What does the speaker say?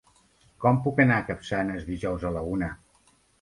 Com puc anar a Capçanes dijous a la una?